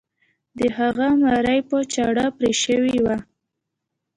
د هغه مرۍ په چاړه پرې شوې وه.